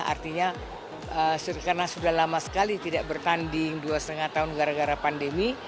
artinya karena sudah lama sekali tidak bertanding dua lima tahun gara gara pandemi